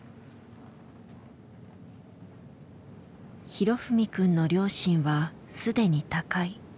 裕史くんの両親はすでに他界。